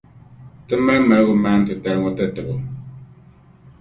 Ti mali maligumaani’ titali ŋɔ tatabo.